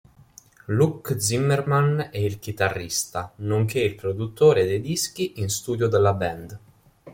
Luk Zimmermann è il chitarrista nonché il produttore dei dischi in studio della band.